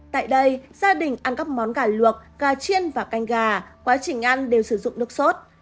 tại đây gia đình ăn các món gà luộc gà chiên và canh gà quá trình ăn đều sử dụng nước sốt